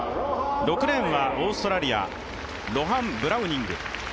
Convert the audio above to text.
６レーンはオーストラリア、ロハン・ブラウニング。